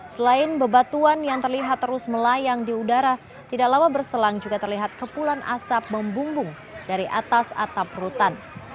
selain bebatuan yang terlihat terus melayang di udara tidak lama berselang juga terlihat kepulan asap membumbung dari atas atap rutan